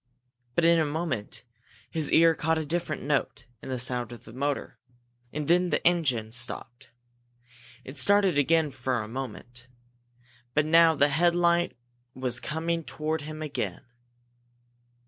But in a moment his ear caught a different note in the sound of the motor, and then the engine stopped. It started again in a moment, but now the headlight was coming toward him again!